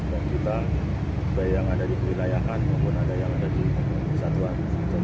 dan kita baik yang ada di wilayahkan maupun ada yang ada di satuan